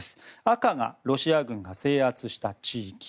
赤がロシア軍が制圧した地域。